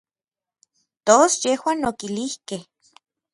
Tos yejuan okilijkej.